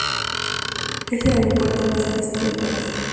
Es el aeropuerto más al este del país.